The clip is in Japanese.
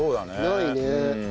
ないね。